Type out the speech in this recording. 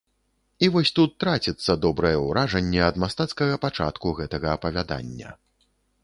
І вось тут траціцца добрае ўражанне ад мастацкага пачатку гэтага апавядання.